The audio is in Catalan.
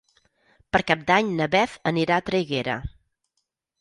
Per Cap d'Any na Beth anirà a Traiguera.